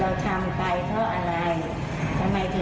ว่าเราทำอะไรไปที่ผ่านมานะอะไรดีอะไรไม่ดี